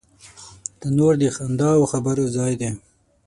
تنور د خندا او خبرو ځای دی